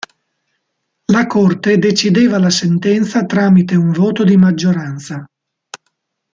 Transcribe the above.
La Corte decideva la sentenza tramite un voto di maggioranza.